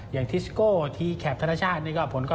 อย่างทิสโกที่แขกธนชาติเนี่ยก็ผลก็